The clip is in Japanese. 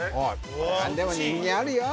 何でも人間あるよ